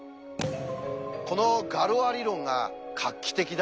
このガロア理論が画期的だった点。